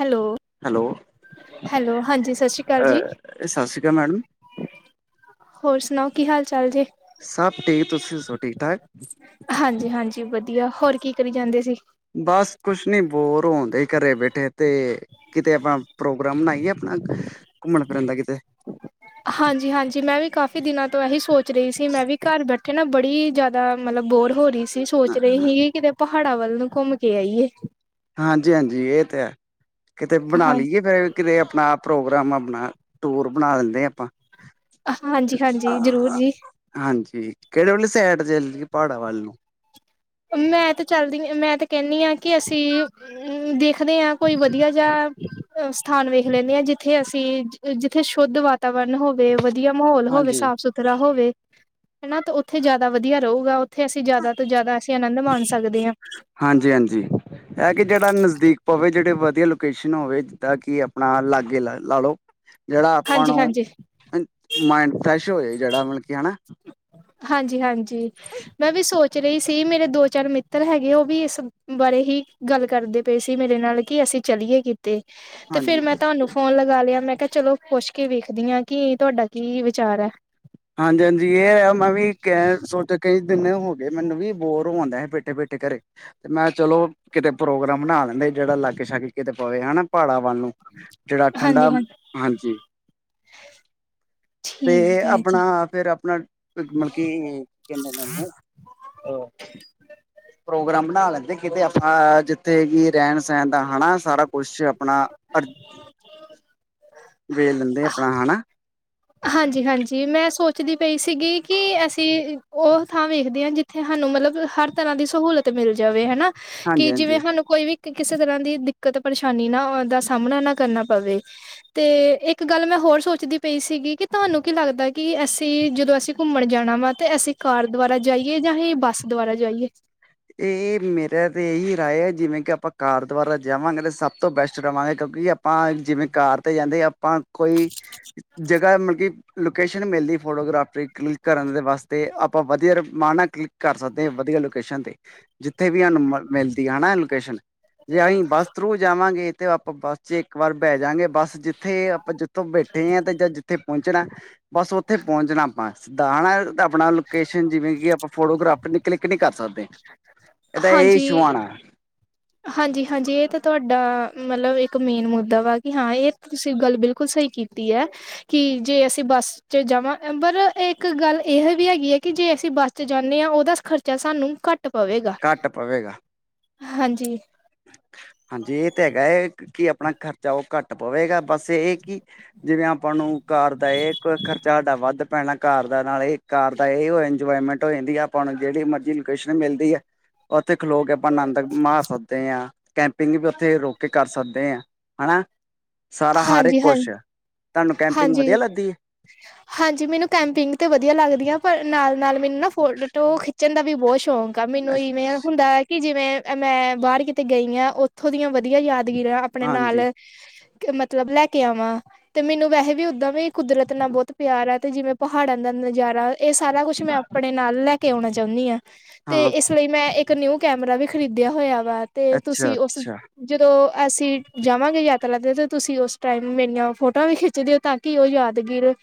Hello, hello hello, ਹਾਂਜੀ, ਸਸ਼੍ਰੀ ਅਕਾਲ ਜੀ। ਅ ਸਤਿ ਸ਼੍ਰੀ ਅਕਾਲ ਮੈਡਮ ਹੋਰ ਸੁਣਾਓ, ਕੀ ਹਾਲ ਚਾਲ ਜੇ? ਸਬ ਠੀਕ, ਤੁਸੀਂ ਦੱਸੋ? ਠੀਕ-ਠਾਕ ਹਾਂਜੀ, ਹਾਂਜੀ ਵਧੀਆ। ਹੋਰ ਕੀ ਕਰੀ ਜਾਂਦੇ ਸੀ। ਬਸ ਕੁਛ ਨੀ ਬੋਰ ਹੋਣਦੇ, ਘਰੇ ਬੈਠੇ ਤੇ- ਕਿਤੇ ਆਪਣਾ ਪ੍ਰੋਗਰਾਮ ਬਣਾਈਏ, ਆਪਣਾ ਘੁੰਮਨ ਫਿਰਨ ਦਾ ਕਿਤੇ। ਹਾਂਜੀ-ਹਾਂਜੀ, ਮੈਂ ਵੀ ਕਾਫ਼ੀ ਦਿਨਾਂ ਤੋਂ ਐਹੀ ਸੋਚ ਰਹੀ ਸੀ, ਮੈਂ ਵੀ ਘਰ ਬੈਠੇ ਨਾ ਬੜੀ ਜ਼ਿਆਦਾ- ਦਾ ਮਤਲਬ ਬੋਰ ਹੋ ਰਹੀ ਸੀ। ਸੋਚ ਰਹੀ ਹੀ ਕਿ, ਕਿਤੇ ਪਹਾੜਾਂ ਵੱਲ ਨੂੰ ਘੁੰਮ ਕੇ ਆਈਏ। ਹਾਂਜੀ, ਹਾਂਜੀ ਇਹ ਤੇ ਹੈ। ਕਿਤੇ ਬਣਾ ਹਾਂ, ਲਈਏ ਫੇਰ- ਕਿਤੇ ਆਪਣਾ ਪ੍ਰੋਗਰਾਮ, ਆਪਣਾ ਟੂਰ ਬਣਾ ਦਿੰਦੇ ਆਂ ਆਪਾਂ। ਹਾਂਜੀ-ਹਾਂਜੀ ਜ਼ਰੂਰ ਜੀ, ਹਾਂਜੀ, ਕਿਹੜੇ ਵਾਲੀ ਸਾਈਡ 'ਚ ਚਲੀਏ ਪਹਾੜਾਂ ਵੱਲ ਨੂੰ- ਮੈਂ 'ਤੇ ਚੱਲਦੀ, ਮੈਂ ਤੇ ਕਹਿੰਨੀ ਆਂ। ਕਿ ਅਸੀਂ ਹਮ ਦੇਖਦੇ ਹਾਂ, ਕੋਈ ਵਧੀਆ ਜਿਹਾ ਸਥਾਨ ਵੇਖ ਲੈਂਦੇ ਹਾਂ, ਜਿੱਥੇ ਅਸੀਂ- ਤੇ ਜਿੱਥੇ ਸ਼ੁੱਧ ਵਾਤਾਵਰਨ ਹੋਵੇ ਵਧੀਆ ਮਾਹੌਲ ਹੋਵੇ, ਹਾਂਜੀ ਸਾਫ਼ ਸੁਥ ਸੁਥਰਾ ਹੋਵੇ ਹਨਾ ਉੱਥੇ ਜ਼ਿਆਦਾ ਵਧੀਆ ਰਉਗਾ। ਉੱਥੇ ਅਸੀਂ ਜ਼ਿਆਦਾ ਤੋਂ ਜ਼ਿਆਦਾ- ਤੇ ਆਨੰਦ ਮਾਨ ਸਕਦੇ ਆ। ਹਾਂਜੀ, ਹਾਂਜੀ। ਐਹ ਕਿ ਜਿਹੜਾ ਨਜ਼ਦੀਕ ਪਵੇ। ਜਿਹੜੇ ਵਧੀਆ ਲੋਕੇਸ਼ਨ ਹੋਵੇ, ਜਿੱਦਾਂ ਕਿ ਆਪਣਾ ਲਾਗੇ ਲ ਲਾ ਲੋ। ਜਿਹੜਾ ਆਪਾਂ ਹਾਂਜੀ ਨੂੰ ਹਾਂਜੀ ਨ ਮਾਇੰਡ ਫਰੈਸ਼ ਹੋਜੇ। ਜਿਹੜਾ ਮਤਲਬ ਕਿ ਹਨਾ। ਹਾਂਜੀ-ਹਾਂਜੀ, ਮੈਂ ਵੀ ਸੋਚ ਰਹੀ ਸੀ। ਮੇਰੇ ਦੋ ਚਾਰ-ਮਿੱਤ- ਮਿੱਤਰ ਹੈਗੇ, ਉਹ ਵੀ ਇਸ ਬਾਰੇ ਹੀ ਗੱਲ ਕਰਦੇ ਪਏ ਸੀ। ਮੇਰੇ ਨਾਲ ਕਿ ਅਸੀਂ ਚਲੀਏ ਕਿ- ਕਿਤੇ 'ਤੇ ਹਾਂਜੀ ਫਿਰ ਮੈਂ ਤੁਹਾਨੂੰ- ਫੋਨ ਲਗਾ ਲਿਆ। ਮੈਂ ਕਿਹਾ ਚਲੋ ਪੁੱਛ ਕੇ ਵੇਖਦੀ ਆਂ, ਕੀ ਤੁਹਾਡਾ ਕੀ ਵਿਚਾਰ ਹੈ। ਹਾਂਜੀ, ਹਾਂਜੀ ਇਹ ਹੈ। ਮੈਂ ਵੀ ਕਹਿੰ ਸੋਚ ਕੇ। ਕਿੰਨੇ ਹੋ ਗਏ, ਮੈਨੂੰ ਵੀ ਬੋਰ ਹੋ ਡਏ ਹਾਂ, ਬੈਠੇ- ਬੈਠੇ ਘਰੇ। ਤੇ ਮੈਂ ਚਲੋ ਕਿਤੇ ਪ੍ਰੋਗਰਾਮ ਬਣਾ ਲੈਂਣੇ, ਜੇੜਾ ਲਾਗੇ-ਸ਼ਾਗੇ ਕਿਤੇ ਪਵੇ ਹਨਾ, ਪਹਾੜਾਂ ਵੱਲ ਨੂੰ। ਜੇੜਾ ਹਾਂਜੀ ਠੰਡਾ, ਹਾਂਜੀ ਹਾਂਜੀ। ਤੇ ਠੀਕ ਹੈ ਜੀ ਅਪਣਾ ਫਿਰ ਅਪਣਾ ਮਲ ਕਈ, ਕੀ ਕੇਂਦੇ ਨੇ ਉਹਨੂੰ? ਪ੍ਰੋਗਰਾਮ ਬਣਾ ਲੈਂਦੇ ਕਿਤੇ ਆਪਾਂ, ਜਿੱਥੇ ਕਿ ਰਹਿਣ-ਸਹਿਣ ਦਾ ਹਨਾ, ਸਾਰਾ ਕੁਛ ਅਪਣਾ ਅ ਵੇ ਲੈਂਦੇ ਆਪਣਾ ਹਨਾ। ਹਾਂਜੀ-ਹਾਂਜੀ, ਮੈਂ ਸੋਚਦੀ ਪਈ ਸੀਗੀ ਕਿ ਅਸੀਂ ਓ ਥਾਂ ਵੇਖਦੇ ਆਂ, ਜਿੱਥੇ ਹਾਨੂੰ ਮਲਬ ਹਰ ਤਰ੍ਹਾਂ ਦੀ ਸਹੂਲਤ ਮਿਲ ਜਾਵੇ ਹਨਾ, ਹਾਂਜੀ ਕਿ ਹਾਂਜੀ ਜਿਵੇਂ ਹਾਨੂੰ ਕੋਈ ਵੀ ਕਿਸੇ ਤਰ੍ਹਾਂ ਦੀ ਦਿੱਕਤ ਪਰੇਸ਼ਾਨੀ ਨਾ ਦਾ ਸਾਮਣਾ ਨਾ ਕਰਨਾ ਪਵੇ। ਤੇ ਏਕ ਗੱਲ ਮੈਂ ਹੋਰ ਸੋਚਦੀ ਪਈ ਸੀਗੀ। ਕਿ ਤੁਹਾਨੂੰ ਕੀ ਲੱਗਦਾ ਕਿ ਅਸੀਂ ਜਦੋਂ ਅਸੀਂ ਘੁੰਮਣ ਜਾਣਾ ਵਾ ਤਾਂ ਅਸੀਂ ਕਾਰ ਦੁਆਰਾ ਜਾਈਏ, ਜਾਂ ਅਹੀ ਬੱਸ ਦੁਆਰਾ ਜਾਈਏ। ਏ ਮੇਰਾ ਤੇ ਇਹੀ ਰਾਏ ਏ ਜਿਵੇਂ ਕਿ ਆਪਾਂ ਕਾਰ ਦੁਆਰਾ ਜਾਵਾਂਗੇ ਤੇ ਸਭ ਤੋਂ ਬੈਸਟ ਰਵਾਂਗੇ, ਕਿਉਂਕਿ ਅਪ ਪਾਂ ਜਿਵੇਂ ਕਾਰ ਤੇ ਜਾਂਦੇ, ਆਪਾਂ ਕੋਈ ਜਗਾ ਮਲ ਕਿ ਲੋਕੇਸ਼ਨ ਮਿਲਦੀ ਫੋਟੋਗ੍ਰਾਫਰੀ ਕਲਿੱਕ ਕਰਨ ਦੇ ਵਾਸਤੇ, ਆਪਾਂ ਵਧੀਆ ਰਮਾ ਨਾ ਕਿ ਕਰ ਸਕਦੇ ਵਧੀਆ ਲੋਕੇਸ਼ਨ ਤੇ, ਜਿੱਥੇ ਵੀ ਹਾਨੂੰ ਮਿਲਦੀ ਹੈਨਾ ਲੋਕੇਸ਼ਨ। ਜੇ ਅਈ ਬੱਸ ਥਰੂ ਜਾਵਾਂਗੇ, ਤੇ ਆਪਾਂ ਬੱਸ ਚ ਇੱਕ ਵਾਰ ਬਹਿ ਜਾਗੇ ਬੱਸ ਜਿੱ ਜਿੱਥੇ ਆਪਾਂ ਜਿੱਥੋਂ ਬੈਠੇ ਆ ਤੇ ਜਾਂ ਜਿੱਥੇ ਪਹੁੰਚਣਾ ਬਸ ਉੱਥੇ ਪਹੁੰਚਣਾ ਆਪਾਂ। ਦਾਣਾ ਅਪਣਾ ਲੋਕੇਸ਼ਨ ਜਿਵੇਂ ਕਿ ਆਪਾਂ ਫੋਟੋਗ੍ਰਾਫ ਕਲਿੱਕ ਨੀ ਕਰ ਸਕਦੇ। ਐਦਾ ਏ ਹਾਂਜੀ ਛੁਆਣਾ। ਹਾਂਜੀ-ਹਾਂਜੀ ਏ ਤਾਂ ਤੁਹਾਡਾ ਮਲਬ ਇੱਕ ਮੇਨ ਮੁੱਦਾ ਵਾ ਕਿ ਹਾਂ ਏ ਤੁਸੀਂ ਗੱਲ ਬਿਲਕੁਲ ਸਈ ਕੀ ਤੀ ਐ। ਕਿ ਜੇ ਅਸੀਂ ਬੱਸ ਚ ਜਾਵਾ ਪਰ ਇੱਕ ਗੱਲ ਏਹ ਵੀ ਹੈਗੀ ਐ ਕਿ ਜੇ ਅਸੀਂ ਬੱਸ ਤੇ ਜਾਨੇ ਆ ਉਹਦਾ ਖਰਚਾ ਸਾਨੂੰ ਕਾਟ ਪਵੇਗਾ, ਘੱਟ ਪਵੇਗਾ ਹਾਂਜੀ। ਹਾਂਜੀ, ਏਹ ਤੇ ਹੈਗਾ ਹੈ ਕਿ ਅਪਣਾ ਖਰਚਾ ਉਹ ਕੱਟ ਪਵੇਗਾ, ਬਸ ਇਹ ਕਿ ਜਿਵੇਂ ਆਪਾਂ ਨੂੰ ਕਾਰ ਦਾ ਏ ਖਰਚਾ ਸਾਡਾ ਵੱਧ ਪੈਣਾ ਕਾਰ ਦਾ ਨਾਲ ਏਹ ਕਾਰ ਦਾ ਇਹ ਇੰਜੋਏਮੈਂਟ ਹੋ ਜਾਂਦੀ ਆ ਆਪਾਂ ਨੂੰ ਜੇੜੀ ਮਰਜ਼ੀ ਲੋਕੇਸ਼ਨ ਮਿਲਦੀ ਐ। ਉੱਥੇ ਖਲੋ ਕੇ ਆਪਾਂ ਆਨੰਦ ਮਾ ਸਕੱਦੇ ਆ। ਕੈਂਪਿੰਗ ਵੀ ਉੱਥੇ ਰੁਕ ਕੇ ਕਰ ਸਕਦੇ ਆ ਹਨਾ ਸਾਰਾ ਹਰ ਇੱਕ ਹਾਂਜੀ, ਹਾਂ ਕੁਛ। ਤਾਨੂੰ ਕੈਂਪਿੰਗ ਵਧੀਆ ਹਾਂਜੀ। ਲੱਗਦੀ ਏ? ਹਾਂਜੀ ਮੈਨੂੰ ਕੈਂਪਿੰਗ ਤੇ ਵਧੀਆ ਲੱਗਦੀ ਆ ਪਰ ਨਾਲ-ਨਾਲ ਮੈਨੂੰ ਨਾ ਫੋ ਟੋ ਖਿ ਚਣ ਦਾ ਵੀ ਬੋਤ ਸ਼ੌਕ ਆ ਮੈਨੂੰ ਹੈ ਇਵੇਂ ਹੁੰਦਾ ਕਿ ਜਿਵੇਂ ਮੈਂ ਬਾਰ ਕਿਤੇ ਗਈ ਆ ਉੱਥੋਂ ਦੀਆਂ ਵਧੀਆ ਯਾਦਗਿਰੀਆ ਅਪਣੇ ਨਾਲ ਹਾਂਜੀ ਮਤਲਬ ਲੈ ਕੇ ਆਵਾਂ ਤੇ ਮੈਨੂੰ ਵੈਹੇ ਵੀ ਓਦਾਂ ਵੀ ਕੁਦਰਤ ਨਾਲ ਬੋਤ ਪਿਆਰ ਐ। ਤੇ ਜਿਵੇਂ ਪਹਾੜਾਂ ਦਾ ਨਜ਼ਾਰਾ ਏ ਸਾਰਾ ਕੁਛ ਮੈਂ ਆਪਣੇ ਨਾਲ ਲੈ ਕੇ ਆਣਾ ਚਾਹੁੰਨੀ ਆ ਤੇ ਹਾਂ ਇਸ ਲਈ ਮੈਂ, ਇੱਕ ਨਿਊ ਕੈਮਰਾ ਵੀ ਖਰੀਦਿਆ ਹੋਇਆ ਵਾ। ਤੇ ਅੱਛਾ ਤੁਸੀਂ ਉਸ ਅੱਛਾ ਜਦੋਂ ਅਸੀਂ ਜਾਵਾਂਗੇ ਯਾ ਪਤਾ ਲੱਗ ਤੁਸੀਂ ਉਸ ਟਾਈਮ ਮੇਰੀਆਂ ਫੋਟੋਆਂ ਵੀ ਖਿੱਚਦੇ ਤਾਂ ਕਿ ਉਹ ਯਾਦਗੀਰ ਰੇ।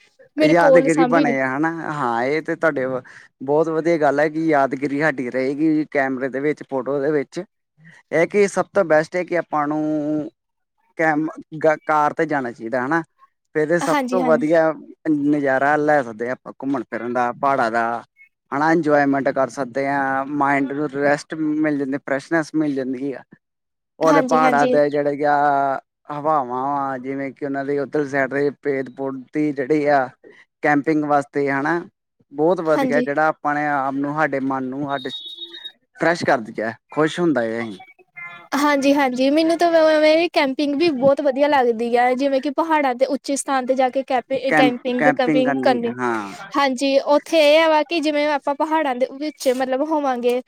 ਯਾਦਗਿਰੀ ਬਣੇ ਹਨਾ ਹਾਂ ਏ ਤੇ ਤਾਡੇ ਬੋਤ ਵਧੀਆ ਗੱਲ ਐ ਕਿ ਯਾਦਗਿਰੀ ਹਾਡੀ ਰਏਗੀ ਕੈਮਰੇ ਦੇ ਵੇਚ ਫੋਟੋ ਦੇ ਵੇਚ। ਐ ਕਿ ਸਭ ਤੋਂ ਬੈਸਟ ਹੈ, ਕਿ ਆਪਾਂ ਨੂੰ ਕੈਮ ਕਾਰ ਤੇ ਜਾਨਾ ਚਾਈਦਾ ਹਨਾ, ਫੇਰ ਏ ਸਭ ਹਾਂਜੀ ਤੋਂ ਹਾਂਜੀ ਵਧੀਆ ਨਜ਼ਾਰਾ ਲੈ ਸਕਦੇ ਆ, ਆਪਾਂ ਘੁੰਮਨ-ਫਿਰਨ ਦਾ, ਪਾੜਾਂ ਦਾ। ਹਨਾ ਇੰਜੋਏਮੈਂਟ ਕਰ ਸਕਦੇ ਆ, ਮਾਇੰਡ ਨੂੰ ਰੈਸਟ ਮਿਲ ਜਾਂਦੀ ਐ, ਫਰੈਸ਼ਨੈਸ ਮਿਲ ਜਾਂਦੀ ਐ। [inaudible] ਉਲੇ ਪਾੜਾਂ ਹਾਂਜੀ ਦੇ ਜੇੜੇ ਈ ਯਾਂ ਹਵਾਵਾਂ ਵਾ ਜਿਵੇਂ ਕਿ, ਓਨਾ ਦੇ ਓਥੇ ਸੈਡ ਤੇ ਪੇੜ- ਪੌਦ ਦੀ ਜੇੜੀ ਆ, ਕੈਂਪਿੰਗ ਵਾਸਤੇ ਜਾਨੈ, ਬੋਹਤ ਹਾਂਜੀ ਵਧੀਆ ਜਡਾ ਅਪਣੇ ਆਪ ਨੂੰ, ਹਾਡੇ ਮਨ ਨੂੰ, ਹਾਡੇ ਫਰੈਸ਼ ਕਰਦੀ ਐ, ਖੁਸ਼ ਹੁੰਦਾ ਏ ਹਾਂਜੀ- ਹਾਂਜੀ। ਮੈਨੂੰ ਤਾਂ ਓ ਓਵੇਂ ਕੈਂਪਿੰਗ ਵੀ ਬੋਤ ਵਧੀਯਾ ਲੱਗਦੀ ਯੈ। ਜਿਵੇਂ ਕਿ ਪਹਾੜਾਂ ਦੇ ਉੱਚੇ ਸਥਾਨ ਤੇ ਜਾ ਕੇ, ਕੈਪ ਕੈਂਪਿੰਗ, ਕਪਿੰਗ ਕਰਨੀ, ਹਾਂਜੀ ਔਹ ਉਥੇ ਏਹ ਹੈਵਾ ਕਿ, ਜਿਵੇਂ ਆਪਾਂ ਪਹਾੜਾਂ ਦੇ ਵਿੱਚ ਮਤਲਬ ਹੋਵਾਂਗੇ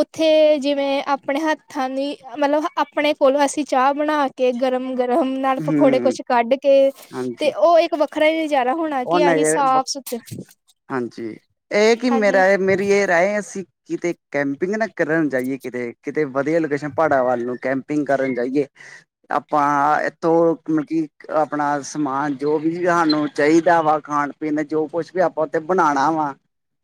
ਉਥੇ ਜਿਵੇਂ ਆਪਣੇ ਹੱਥਾਂ ਦੀ ਮਤਲਬ, ਆਪਣੇ ਕੋਲੋਂ ਅਸੀ ਚਾਅ ਬਣਾ ਕੇ ਗਰਮ- ਗਰਮ ਨਾਲ ਪਕੌੜੇ, ਹਮ ਕੁਛ ਕੱਢ ਕੇ, ਤੇ ਹਾਂਜੀ ਉਹ ਇੱਕ ਵ ਵੱਖਰਾ ਈ ਨਜ਼ਾਰਾ ਹੋਣਾ ਉਹ ਕਿ ਅਹੀ ਨਹੀਂ ਸਾਫ਼- ਸੁਥ ਹਾਂਜੀ। ਏਹ ਕਿ ਮੇਰਾ ਏ ਮੇਰੀ ਏਹ ਰਾਏ, ਅਸੀ ਕਿਤੇ, ਕੈਂਪਿੰਗ ਨਾ ਕਰਨ ਜਾਈਯੇ ਕਿਤੇ, ਕਿਤੇ ਵਧੀਆ ਲੋਕੇਸ਼ਨ ਪਾੜਾਂ ਵੱਲ ਨੂੰ, ਕੈਂਪਿੰਗ ਕਰਨ ਜਾਈਯੇ। ਆਪਾਂ, ਏਤੋਂ ਮਤਲ ਕਿ ਆਪਣਾ ਸਮਾਨ ਜੋ ਵੀ ਸਾਨੂੰ ਚਾਹੀਦਾ ਵਾ, ਖਾਣ- ਪੀਣ ਜੋ ਕੁਛ ਵੀ ਆਪਾਂ ਉਥੇ ਬਣਾਣਾ ਵਾ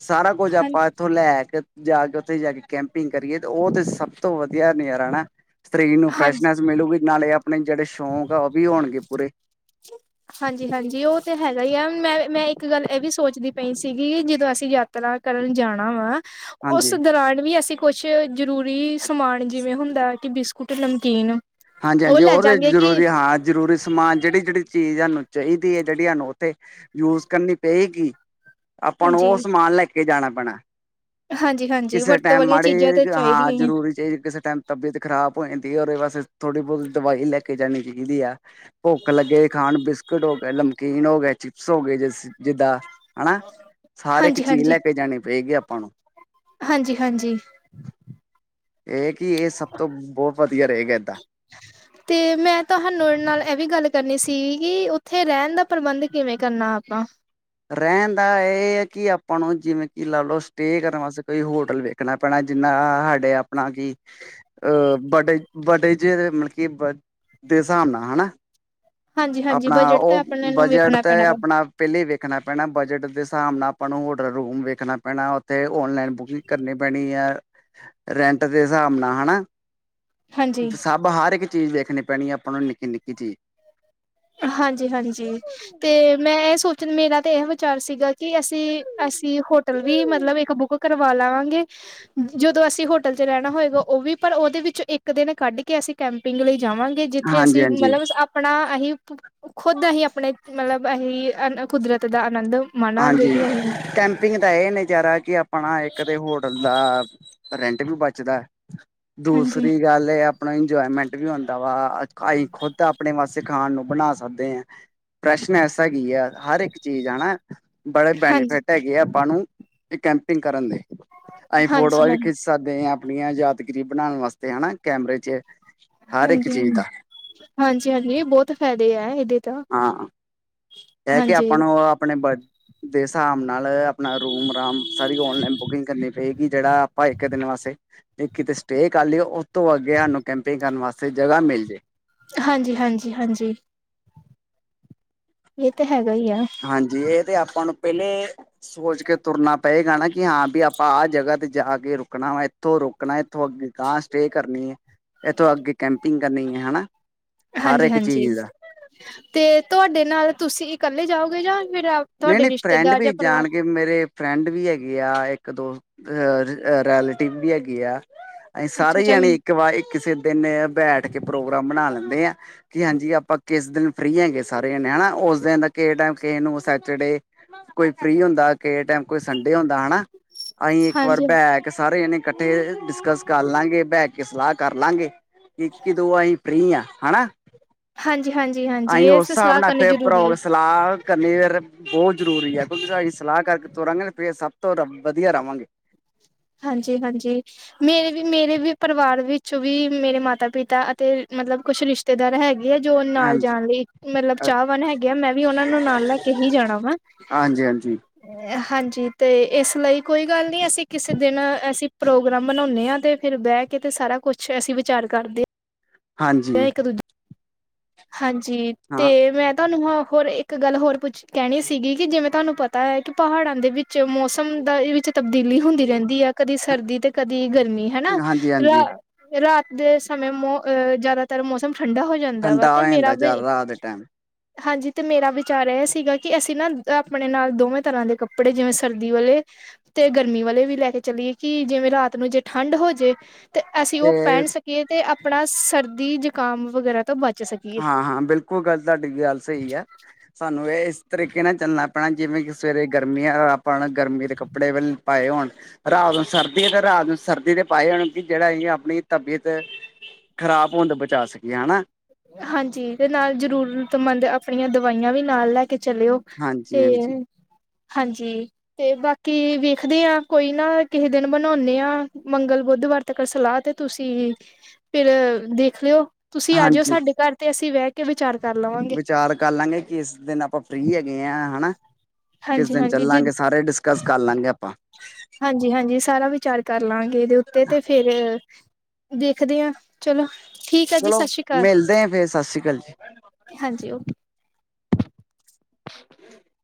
ਸਾਰਾ ਕੁੱਝ ਆਪਾਂ ਹਾਂਜੀ-ਹਾਂਜੀ-ਹਾਂਜੀ ਇੱਥੋਂ ਲੈ ਕੇ ਜਾ ਕੇ ਉਥੇ ਜਾ ਕੇ ਕੈਂਪਿੰਗ ਕਰੀਏ ਤੇ ਉਹ ਤੇ ਸਭ ਤੋਂ ਵਧੀਯਾ ਨਜ਼ਾਰਾ ਨਾ। ਸਰੀਰ ਨੂੰ ਫਰੈਸ਼ਨੈਸ ਮਿਲੂਗੀ, ਨਾਲੇ ਆਪਣੇ ਜੇੜੇ ਸ਼ੌਂਕ ਆ ਉਹ ਵੀ ਹੋਣਗੇ ਪੂਰੇ। [inaudible] ਹਾਂਜੀ-ਹਾਂਜੀ ਉਹ ਤੇ ਹੈਗਾ ਈ ਆ, ਮੈਂ- ਮੈਂ ਇੱਕ ਗੱਲ ਏਹ ਵੀ ਸੋਚਦੀ ਪਈ ਸੀਗੀ, ਜਦੋਂ ਅਸੀ ਯ ਤਰਾ ਕਰਨ ਜਾਣਾ ਵਾ, ਉਸ ਹਾਂਜੀ ਦੌਰਾਨ ਵੀ ਅਸੀ ਕੁਛ ਜਰੂਰੀ ਸ ਮਾਨ ਜਿਵੇਂ ਹੁੰਦਾ ਕਿ ਬਿਸਕੁਟ- ਨਮਕੀਨ ਹਾਂਜੀ- ਉਹ ਹਾਂਜੀ। ਲੈ ਹੋਰ ਏਹ ਜਾਂਗੇ ਕਿ ਜ਼ਰੂਰੀ ਹਾਂ ਜ਼ਰੂਰੀ ਸਮਾਨ ਜੇੜੀ- ਜੇੜੀ ਚੀਜ਼ ਹਾਨੂੰ ਚਾਹੀਦੀ ਏ ਜੇੜੀ ਹਾਨੂੰ ਉਥੇ ਜੁਸ ਕਰਨੀ ਪਏਗੀ, ਆਪਾਂ ਨੂੰ ਹਾਂਜੀ ਉਹ ਸਮਾਨ ਲੈ ਕੇ ਜਾਣਾ ਪੈਨੈ। ਹਾਂਜੀ-ਹਾਂਜੀ ਕਿਸੇ ਵਰਤੋਂ ਟੈਮ ਵਾਲੀਆਂ ਚੀਜ਼ਾਂ ਮਾੜੇ ਤਾਂ ਜੇ ਹਾਂ ਚਾਹੀਦੀਆਂ ਹੀ ਆ ਜ਼ਰੂਰ ਚਾਹੀ ਕਿਸੇ ਟੈਮ। ਤਬੀਅਤ ਖਰਾਬ ਹੋ ਜਾਂਦੀ ਔਦੇ ਵਾਸਤੇ ਥੋੜੀ ਬਹੁਤ ਦਵਾਈ ਲੈ ਕੇ ਜਾਣੀ ਚੀਦੀਆ। ਭੁੱਖ ਲੱਗੇ ਖਾਣ ਬਿਸਕੁਟ ਹੋ ਗੇ, ਲਮਕੀਨ ਹੋ ਗੇ, ਚਿਪਸ ਹੋ ਗੇ ਜਿਸ ਜਿੱਦਾਂ ਹਨਾ। ਸਾਰੇ ਇੱਕ ਚੀਜ਼ ਹਾਂਜੀ-ਹਾਂਜੀ ਲੈ ਕੇ ਜਾਣੀ ਪਏਗੀ ਆਪਾਂ ਨੂੰ। ਹਾਂਜੀ-ਹਾਂਜੀ ਇਹ ਕਿ, ਇਹ ਸਭ ਤੋਂ ਬਹੁਤ ਵਧੀਯਾ ਰਹੇਗਾ ਏਦਾਂ। ਹਾ [unintelligible] ਤੇ ਮੈਂ ਤੋਹਾਨੂੰ ਨਾਲ ਇਹ ਵੀ ਗੱਲ ਕਰਨੀ ਸੀ ਕਿ ਉਥੇ ਰਹਣ ਦਾ ਪ੍ਰਬੰਧ ਕਿਵੇਂ ਕਰਨਾ ਆਪਾਂ। ਰਹਣ ਦਾ ਏਹ ਹੈ ਕਿ ਆਪਾਂ ਨੂੰ ਜਿਵੇਂ ਕਿ ਲਾ ਲੋ ਸਟੇਅ ਕਰਨ ਵਾਸਤੇ ਕੋਈ ਹੋਟਲ ਵੇ ਕਣਾ ਪੈਣਾ ਜਿੰਨਾ ਹਾਡੇ ਆਪਣਾ ਕੀ ਅ ਵਡੇ ਵਡੇ ਜਿ ਮਤਲਬ ਕਿ ਦੇ ਹਿਸਾਬ ਨਾਲ ਹਨਾ [unintelligible] ਹਾਂਜੀ-ਹਾਂਜੀ ਆਪਣਾ ਬਜਟ ਤਾਂ ਉਹ ਆਪਣੇ ਨੂੰ ਬਜਟ ਵੇਖਣਾ ਤੇ ਪੈਣਾ ਵਾ ਅਪਣਾ ਪਹਿਲੇ ਹੀ ਵੇਖਣਾ ਪੈਨੈ ਬਜਟ ਦੇ ਹਿਸਾਬ ਨਾਲ ਆਪਾਂ ਨੂੰ ਹੋਟਲ ਰੂਮ ਵੇਖਣਾ ਪੈਨੈ ਉਥੇ ਔਨਲਾਈਨ ਬੁਕਿੰਗ ਤੇ ਕਰਨੀ ਪੈਣੀ ਐ। ਰੈਂਟ ਦੇ ਹਸਾਬ ਨਾ ਹੈਨਾ। ਹਾਂਜੀ ਸਭ ਹਰ ਇੱਕ ਚੀਜ਼ ਵੇਖਣੀ ਪੈਣੀ ਐ ਆਪਾਂ ਨੂੰ ਨਿੱਕੀ- ਨਿੱਕੀ ਚੀਜ਼। ਹਾਂਜੀ- ਹਾਂਜੀ। ਤੇ ਮੈਂ ਏਹ ਸੋਚਣ ਮੇਰਾ ਤੇ ਏਹ ਵਿਚਾਰ ਸੀਗਾ ਕਿ ਅਸੀ- ਅਸੀ ਹੋਟਲ ਵੀ ਮਤਲਬ ਇੱਕ ਬੁੱਕ ਕਰਵਾ ਲਾਂਗੇ। ਜਦੋਂ ਅਸੀ ਹੋਟਲ ਚ ਰਹਣਾ ਹੋਏਗਾ ਉਹ ਵੀ ਪਰ ਉਦੇ ਵਿੱਚ ਇੱਕ ਦਿਨ ਕੱਢ ਕੇ ਅਸੀ ਕੈਂਪਿੰਗ ਲਈ ਜਾਵਾਂਗੇ। ਕਿ ਜਿੱਥੇ ਹਾਂਜੀ ਅਸੀ ਹਾਂਜੀ ਮਤਲਬ ਆਪਣਾ ਅਹੀ ਖੁਦ ਅਹੀ ਅਪਣੇ ਮਤਲਬ ਅਹੀ ਅ ਕੁਦਰਤ ਦਾ ਆਨੰਦ ਮਾਣਾਂਗੇ ਹਾਂਜੀ। ਕਿ ਅਸੀਂ ਕੈਮ ਇਗ ਦਾ ਏਹ ਨਜ਼ਾਰਾ ਕਿ ਆਪਣਾ ਇੱਕ ਤੇ ਹੋਟਲ ਦਾ ਰੈਂਟ ਵੀ ਬਚਦਾ। ਹਾਂਜੀ, ਦੂਸਰੀ ਨਾਲੇ ਅਪਨਾ ਇੰਜੋਏਮੈਂਟ ਵੀ ਹੁੰਦਾ ਵਾ, ਆਹੀ ਖੁੱਦ ਆਪਣੇ ਵਾਸਤੇ ਖਾਣ ਨੂੰ ਬਣਾ ਸਕਦੇ ਆਂ। ਪ੍ਰੈਸ਼ਨੈਸ ਹੈਗੀ ਐ, ਹਰ ਇੱਕ ਚੀਜ਼, ਹੈਨਾ। ਬੜੇ ਹਾਂਜੀ, ਬੈਨੀਫਿਟ ਹੈਗੇ ਆ ਆਪਾਂ ਨੂੰ ਕੈਂਪਟੀਂਗ ਕਰਨ ਦੇ ਅਸੀਂ ਹਾਂਜੀ, ਫੋਟੋਆਂ ਹਾਂਜੀ, ਵੀ ਹਾਂਜੀ, ਖਿੱਚ ਸਕਦੇ ਆਂ ਆਪਣੀਆਂ ਯਾਦਗਿਰੀ ਬਣਾਣ ਵਾਸਤੇ ਹਨਾ, ਕੈਮਰੇ ਚ। ਹਰ ਇੱਕ ਚੀਜ਼ ਹਾਂਜੀ-ਹਾਂਜੀ, ਦਾ ਹਾਂਜੀ-ਹਾਂਜੀ, ਬੋਤ ਫ਼ਾਇਦੇ ਐ ਏਦੇ। ਹਾਂ, ਕੈ ਕੇ ਆਪਾਂ ਨੂੰ ਆਪਣੇ ਬ ਦੇ ਹਿਸਾਬ ਨਾਲ ਆਪਣਾ ਰੂਮ ਰਾਮ ਸਾਰੀ ਓਨਲਾਈਨ ਬੁਕਿੰਗ ਕਰਨੀ ਪਏਗੀ, ਜੇੜਾ ਆਪਾਂ ਏਕ ਦਿਨ ਵਾਸਤੇ ਤੇ ਕਿਤੇ ਸਟੇ ਕਰ ਲੀਏ, ਓਤੋਂ ਅੱਗੇ ਸਾਨੂੰ ਕੈਂਪਿੰਗ ਕਰਨ ਵਾਸਤੇ ਜਗ੍ਹਾ ਮੇਲ ਜੇ। ਹਾਂਜੀ-ਹਾਂਜੀ, ਹਾਂਜੀ। ਏ ਤਾਂ ਹੈਗਾ ਈਏ। ਹਾਂਜੀ, ਏ ਤੇ ਆਪਾਂ ਨੂੰ ਪੈਲੇ ਸੋਚ ਕੇ ਤੁਰਨਾ ਪਏਗਾ ਨਾ, ਕਿ ਹਾਂ ਵੀ ਆਪਾਂ ਆਹ ਜਗ੍ਹਾ ਤੇ ਜਾ ਕੇ ਰੁਕਣਾ ਵਾ। ਏਥੋਂ ਰੋਕਣਾ ਏਥੋਂ ਅੱਗੇ ਗ ਸਟੇ ਕਰਨੀ ਏ, ਏਥੋਂ ਅੱਗੇ ਕੈਂਪਿੰਗ ਕਰਨੀ ਐ, ਹਨਾ। ਹਰ ਇੱਕ ਹਾਂਜੀ-ਹਾਂਜੀ, ਚੀਜ਼ ਦਾ ਤੇ ਤੁਆਡੇ ਨਾਲ ਤੁਸੀਂ ਕੱਲੇ ਜਾਓਗੇ ਯਾਂ ਫੇਰ ਨਈਂ-ਨਈਂ ਫਰੈਂਡ ਵੀ ਜਾਣਗੇ ਮੇਰੇ। ਫਰੈਂਡ ਵੀ ਹੈਗੇ ਆ, ਏਕ-ਦੋ ਰੈਲੇਟਿਵ ਵੀ ਹੈਗੇ ਆ। ਅਸੀਂ ਅੱਛਾ ਸਾਰੇ ਅੱਛਾ ਜਣੇ ਇੱਕ ਵਾਰ ਇੱਕ ਕਿਸੇ ਦਿਨ ਬੈਠ ਕੇ ਪ੍ਰੋਗਰਾਮ ਬਣਾ ਲੈਂਦੇ ਆ। ਕਿ ਹਾਂਜੀ, ਆਪਾਂ ਕਿਸ ਦਿਨ ਫ੍ਰੀ ਹੈਗੇ ਸਾਰੇ ਜਣੇ ਹਨਾ, ਉਸ ਦਿਨ ਕਿਸੇ ਟਾਈਮ ਕਿਸੇ ਨੂੰ ਜੇੜੇ ਕੋਈ ਫ੍ਰੀ ਹੁੰਦਾ ਕਿਹੇ ਟੈਮ ਕੋਈ ਸੰਡੇ ਹੁੰਦਾ ਹੈਨਾ, ਅਸੀਂ ਇੱਕ ਵਾਰ ਹਾਂਜੀ ਬੈ ਕੇ ਸਾਰੇ ਜਣੇ ਕੱਠੇ ਡਿਸਕਸ ਕਰ ਲਾਂਗੇ, ਬੈਹ ਕੇ ਸਲਾਹ ਕਰ ਲਾਂਗੇ। ਇਸ ਕੀ ਦੋ ਆਈ ਫ੍ਰੀ ਆ, ਹੈਨਾ। ਹਾਂਜੀ-ਹਾਂਜੀ, ਹਾਂਜੀ ਏਸ ਤੋਂ ਸਲਾਹ ਨਾਲ ਕਰਨੀ ਫਿਰ ਜਰੂਰੀ ਏ। ਭਰਾ ਸਲਾਹ ਕਰਨੀ ਬੋਤ ਜਰੂਰੀ ਐ, ਕੁੁਝ ਅਸੀਂ ਸਲਾਹ ਕਰਕੇ ਤੁਰਾਂਗੇ, ਫੇਰ ਸਭ ਤੋਂ ਰੱਬ ਵਧੀਆ ਰਵਾਂਗੇ। ਹਾਂਜੀ-ਹਾਂਜੀ। ਮੇਰੇ ਵੀ ਮੇਰੇ ਵੀ ਪਰਵਾਰ ਵਿੱਚ ਵੀ ਮੇਰੇ ਮਾਤਾ-ਪਿਤਾ ਅਤੇ ਮਤਲਬ ਕੁਛ ਰਿਸ਼ਤੇਦਾਰ ਹੈਗੇ। ਹੈਗੇ ਆ ਜੋ ਨਾਲ ਹਾਂਜੀ। ਜਾਣ ਲਈ ਮਤਲਬ ਚਾਹਵਾਨ ਹੈਗੇ ਆ। ਮੈਂ ਵੀ ਓਨਾ ਨੂੰ ਨਾਲ ਲੈ ਕੇ ਹੀ ਜਾਣਾ ਵਾਂ। ਹਾਂਜੀ-ਹਾਂਜੀ। ਹਾਂਜੀ ਤੇ ਏਸ ਲਈ ਕੋਈ ਗੱਲ ਨੀ ਅਸੀ ਕਿਸੇ ਦਿਨ ਅਸੀਂ ਪ੍ਰੋਗਰਾਮ ਬਨੋਨੇ ਆਂ, ਤੇ ਫੇਰ ਬੈਹ ਕੇ ਤੇ ਸਾਰਾ ਕੁਛ ਅਸੀਂ ਵਿਚਾਰ ਕਰਦੇ ਯਾ, ਹਾਂਜੀ ਏਕ ਦੂਜੇ ਹਾਂਜੀ, ਹਾਂ ਤੇ ਮੈਂ ਤੁਆਨੂੰ ਹ ਹੋਰ ਏਕ ਗੱਲ ਹੋਰ ਪੁੱਛ ਕੈਂਣੀ ਸੀਗੀ ਕਿ ਜਿਵੇਂ ਤੁਹਾਨੂੰ ਪਤੈ ਕਿ ਪਹਾੜਾਂ ਦੇ ਵਿੱਚ ਮੌਸਮ ਦਾ ਵਿੱਚ ਤਬਦੀਲੀ ਹੁੰਦੀ ਰੈਂਦੀ ਆ, ਕਦੀ ਸਰਦੀ ਤੇ ਕਦੀ ਗਰਮੀ ਹੈਨਾ। ਹਾਂਜੀ ਹਾਂਜੀ ਰਾਤ ਦੇ ਸਮੇਂ ਮੋ ਅਹ ਜਾਦਾਤਰ ਮੌਸਮ ਠੰਡਾ ਹੋ ਜਾਂਦਾ। ਹੁੰਦਾ ਵਾ, ਠੰਡਾ ਹੋ ਤੇ ਮੇਰਾ ਜਾਂਦਾ ਵੀ ਜ਼ਿਆਦਾ ਰਾਤ ਦੇ ਟਾਈਮ ਹਾਂਜੀ, ਤੇ ਮੇਰਾ ਵਿਚਾਰ ਇਹ ਸੀਗਾ ਕਿ ਅਸੀਂ ਨਾ ਅਪਣੇ ਨਾਲ ਦੋਵੇਂ ਤਰ੍ਹਾਂ ਦੇ ਕੱਪੜੇ ਜਿਵੇਂ ਸਰਦੀ ਵਾਲੇ ਤੇ ਗਰਮੀ ਵਾਲੇ ਵੀ ਲੈ ਕੇ ਚੱਲੀਏ, ਕਿ ਜਿਵੇਂ ਰਾਤ ਨੂੰ ਜੇ ਠੰਡ ਹੋਜੇ ਤੇ ਅਸੀਂ ਓ ਤੇ ਪੈਣ ਸਕੀਏ ਤੇ ਅਪਣਾ ਸਰਦੀ-ਜੁਕਾਮ ਵਗੈਰਾ ਤੋਂ ਬਚ ਸਕੀਏ ਹਾਂ-ਹਾਂ, ਬਿਲਕੁਲ ਗੱਲ ਤੁਆਡੀ ਗੱਲ ਸਈ ਐ। ਸਾਨੂੰ ਏ ਏਹ ਤਰੀਕੇ ਨਾਲ ਚੱਲਣਾ ਪੈਣਾ, ਜਿਵੇਂ ਕਿ ਸਵੇਰੇ ਗਰਮੀ ਆ ਐ ਪਾਣਾ, ਗਰਮੀ ਦੇ ਕੱਪੜੇ ਕੱਪੜੇ ਵੱਲ ਪਾਏ ਹੋਣ। ਰਾਤ ਨੂੰ ਸਰਦੀ, ਤੇ ਰਾਤ ਨੂੰ ਸਰਦੀ ਦੇ ਪਾਏ ਹੋਣ ਕਿ ਜੇੜਾ ਈਏ ਅਪਣੀ ਤਬੀਅਤ ਖ਼ਰਾਬ ਹੋਣ ਤੋਂ ਬਚਾ ਸਕੀਏ, ਹੈਨਾ। ਹਾਂਜੀ, ਤੇ ਨਾਲ ਜਰੂਰਤਮੰਦ ਅਪਣੀਆਂ ਦਵਾਈਆਂ ਵੀ ਨਾਲ ਲੈਕੇ ਚਲੀਓ। ਤੇ, ਹਾਂਜੀ-ਹਾਂਜੀ। ਹਾਂਜੀ ਹੰਜੀ। ਤੇ ਬਾਕੀ ਵੇਖਦੇ ਅਤ ਕੋਈ ਨਾ ਕਿਸੇ ਦਿਨ ਬਨੋਨੇ ਆ ਮੰਗਲ, ਬੁੱਧਵਾਰ ਤਕ ਸਲਾਹ ਤੇ ਤੁਸੀਂ ਫਿਰ ਦੇਖ ਲਿਓ ਤੁਸੀਂ ਆਜਿਓ ਹਾਂਜੀ ਸਾਡੇ ਘਰ ਤੇ ਅਸੀਂ ਬੈ ਕੇ ਵਿਚਾਰ ਕਰ ਲਵਾਂ ਵਿਚਾਰ ਕਰ ਲਾਂਗੇ ਕੀ ਅ ਕਿਸ ਦਿਨ ਆਪਾਂ ਫ੍ਰਰੀ ਹੈਗੇ ਆ ਹਨਾ ਕਿਸ ਹਾਂਜੀ ਦਿਨ ਹਾਂਜੀ ਚੱਲਾਂਗੇ ਸਾਰੇ ਡਿਸਕਸ ਕਰ ਲਾਂਗੇ ਆਪਾਂ। ਹਾਂਜੀ-ਹਾਂਜੀ ਸਾਰਾ ਵਿਚਾਰ ਕਰ ਲਾਂਗੇ ਏਦੇ ਉੱਤੇ ਤੇ ਫੇਰ ਦੇਖਦੇ ਆ ਚਲੋ ਠੀਕ ਆ ਜੀ ਚਲੋ ਸਤਿ ਸ਼੍ਰੀ ਅਕਾਲ ਮਿਲਦੇ ਆ ਫੇਰ ਸਸ ਸ੍ਰੀ ਕਾਲ ਜੀ। ਹਾਂਜੀ ਓਕੇ। [inaudible]